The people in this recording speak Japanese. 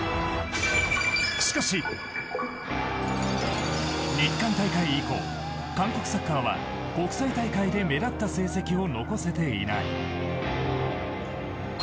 しかし日韓大会以降、韓国サッカーは国際大会で目立った成績を残せていない。